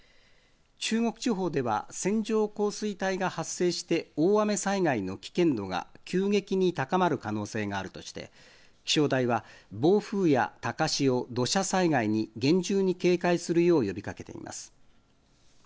中国地方では、線状降水帯が発生して、大雨災害の危険度が急激に高まる可能性があるとして、気象台は暴風や土砂災害に、厳重に警戒するよう呼びかけています。